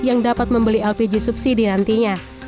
yang dapat membeli lpg subsidi nantinya